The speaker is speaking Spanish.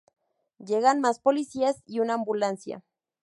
Llegan más policías y una ambulancia.